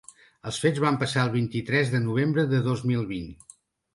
Els fets van passar el vint-i-tres de novembre de dos mil vint.